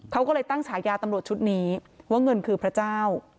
เขาก็เลยตั้งฉายาตำรวจชุดนี้ว่าเงินคือพระเจ้า